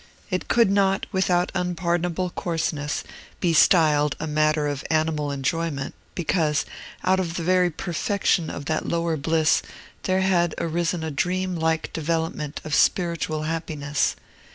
It could not, without unpardonable coarseness, be styled a matter of animal enjoyment, because, out of the very perfection of that lower bliss, there had arisen a dream like development of spiritual happiness.